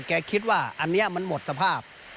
คิดว่าอันนี้มันหมดสภาพ